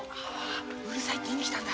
うるさいって言いに来たんだ。